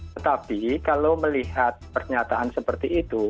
tetapi kalau melihat pernyataan seperti itu